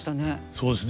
そうですね。